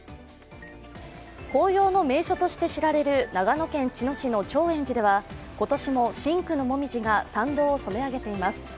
紅葉の名所として知られる長野県茅野市の長円寺では今年も深紅の紅葉が参道を染め上げています。